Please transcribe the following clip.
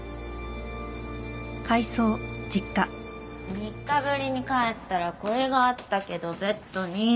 ３日ぶりに帰ったらこれがあったけどベッドに。